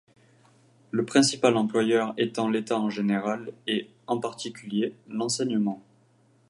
Le principal employeur étant l'État en général et, en particulier, l'enseignement.